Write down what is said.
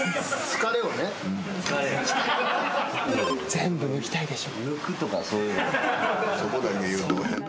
全部ヌキたいでしょ？